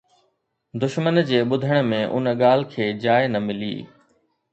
دشمن جي ٻڌڻ ۾ ان ڳالهه کي جاءِ نه ملي